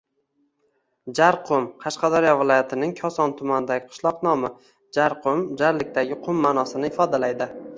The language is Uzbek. Jarqum – Qashqadaryo viloyatining Koson tumanidagi qishloq nomi. Jarqum - «jarlikdagi qum» ma’nosini ifodalaydi.